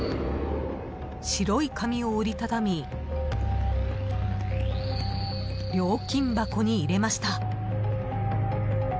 白い紙を折り畳み料金箱に入れました。